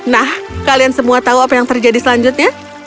nah kalian semua tahu apa yang terjadi selanjutnya